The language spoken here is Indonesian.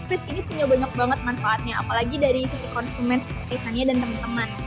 tapi ini punya banyak banget manfaatnya apalagi dari sisi konsumen seperti fanny dan teman teman